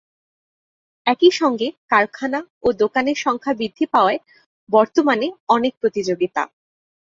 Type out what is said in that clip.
একই সঙ্গে কারখানা ও দোকানের সংখ্যা বৃদ্ধি পাওয়ায় বর্তমানে অনেক প্রতিযোগিতা।